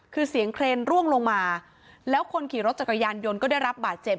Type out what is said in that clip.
คือเสียงเครนร่วงลงมาแล้วคนขี่รถจักรยานยนต์ก็ได้รับบาดเจ็บ